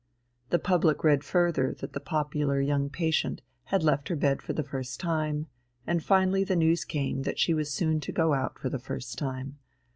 The public read further that the popular young patient had left her bed for the first time, and finally the news came that she was soon to go out for the first time.